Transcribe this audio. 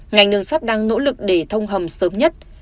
ngành đường sắt đang nỗ lực để thông hầm sớm nhất